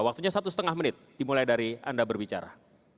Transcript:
waktunya satu setengah menit dimulai dari anda berbicara